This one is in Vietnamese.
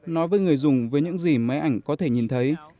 nói với người dùng với những gì máy ảnh có thể nhìn thấy